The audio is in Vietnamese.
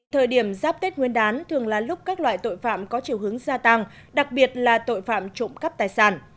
thời điểm giáp tết nguyên đán thường là lúc các loại tội phạm có chiều hướng gia tăng đặc biệt là tội phạm trộm cắp tài sản